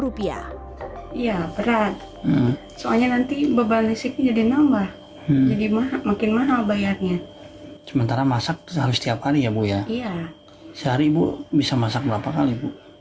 dua sampai tiga kali